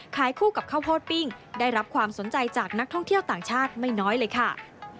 ขายคู่กับข้าวโพดปิ้งได้รับความสนใจจากนักท่องเที่ยวต่างชาติไม่น้อยเลยค่ะ